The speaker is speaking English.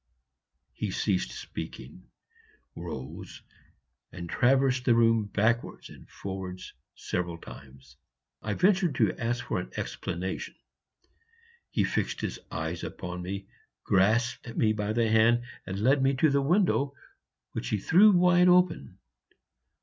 He ceased speaking, rose, and traversed the room backwards and forwards several times. I ventured to ask for an explanation; he fixed his eyes upon me, grasped me by the hand, and led me to the window, which he threw wide open.